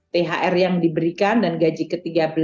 thr yang diberikan dan gaji ke tiga belas